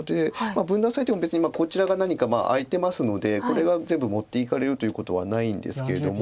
分断されても別にこちらが何か空いてますのでこれが全部持っていかれるということはないんですけれども。